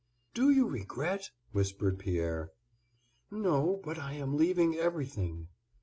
"Do you regret?" whispered Pierre. "No, but I am leaving everything."